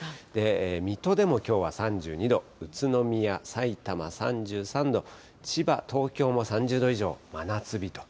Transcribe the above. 水戸でもきょうは３２度、宇都宮、さいたま３３度、千葉、東京も３０度以上、真夏日と。